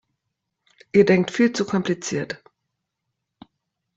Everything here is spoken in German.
Ihr denkt viel zu kompliziert!